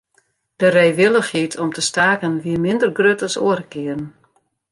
De reewillichheid om te staken wie minder grut as oare kearen.